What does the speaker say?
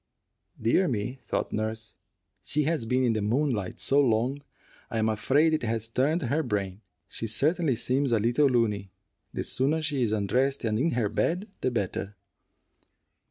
"Dear me," thought nurse, "she has been in the moonlight so long I am afraid it has turned her brain. She certainly seems a little looney. The sooner she is undressed and in her bed, the better."